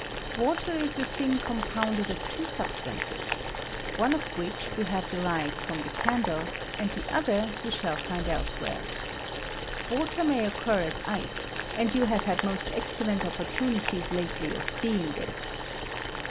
Water is a thing compounded ^^H of two substances, one of which we have derived ^^H fmrn the candle, and the other we shall find ^^^^ elsewhere. Water may occur as ice ; and you ^^B have had moat excellent opportunities ktely of seeing this.